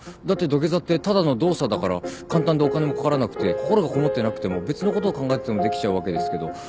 だって土下座ってただの動作だから簡単でお金もかからなくて心がこもってなくても別のこと考えててもできちゃうわけですけど。